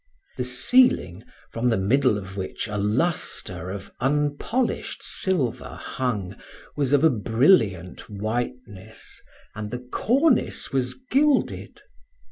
The ceiling, from the middle of which a lustre of unpolished silver hung, was of a brilliant whiteness, and the cornice was gilded.